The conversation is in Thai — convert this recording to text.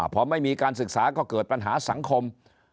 พอไม่มีการศึกษาก็เกิดปัญหาสังคม